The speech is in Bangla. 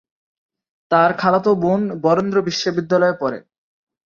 তার খালাতো বোন বরেন্দ্র বিশ্ববিদ্যালয়ে পড়ে।